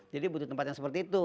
jadi butuh tempat yang seperti itu